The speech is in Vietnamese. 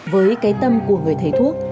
với cái tâm của người thầy thuốc